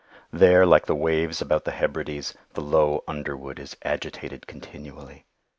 There, like the waves about the Hebrides, the low underwood is agitated continually.